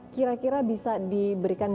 kira kira bisa diberikan